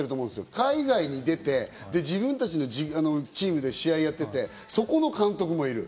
海外に出て、自分たちのチームで試合やってて、そこの監督もいる。